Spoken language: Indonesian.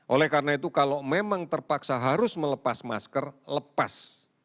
oleh karena itu kalau memang terpaksa harus melepas masker lepas